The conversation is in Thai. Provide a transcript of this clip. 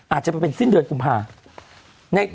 อาจจะมาเป็นสิ้นเดือนกุมภา